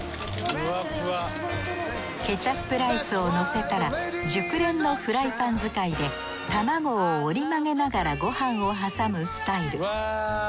ケチャップライスをのせたら熟練のフライパン使いで卵を折り曲げながらご飯を挟むスタイル。